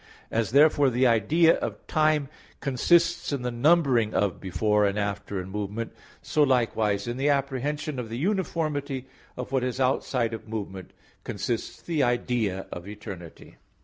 As therefore the idea of time consists in the numbering of before and after in movement; so likewise in the apprehension of the uniformity of what is outside of movement, consists the idea of eternity.